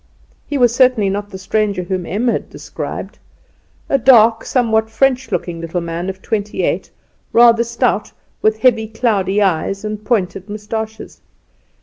He was certainly not the stranger whom Em had described. A dark, somewhat French looking little man of eight and twenty, rather stout, with heavy, cloudy eyes and pointed moustaches.